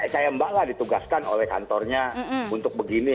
kayak mbak lah ditugaskan oleh kantornya untuk begini